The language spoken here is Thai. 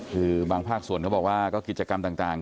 คือบางภาคส่วนเขาบอกว่าก็กิจกรรมต่าง